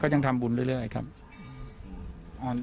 ยังทำบุญเรื่อยครับ